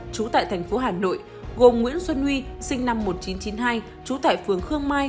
trú tại thành phố hà nội gồm nguyễn xuân huy sinh năm một nghìn chín trăm chín mươi hai trú tại phường khương mai